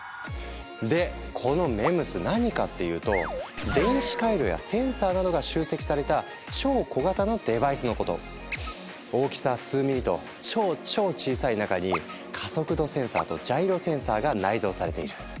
でこのＭＥＭＳ何かっていうと大きさ数ミリと超超小さい中に加速度センサーとジャイロセンサーが内蔵されている。